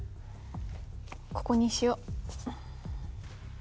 ここにしよう。